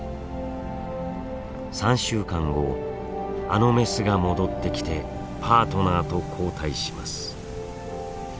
あのメスが戻ってきてパートナーと交代します。